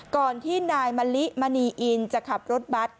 ก่อนที่นายมะลิมณีอินจะขับรถบัตร